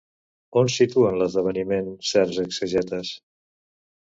On situen l'esdeveniment certs exegetes?